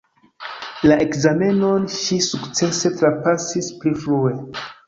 La ekzamenon ŝi sukcese trapasis pli frue.